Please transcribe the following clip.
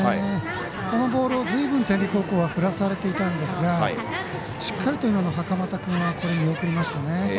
このボールをずいぶん天理高校は振らされていたんですがしっかりと袴田君は見送りましたね。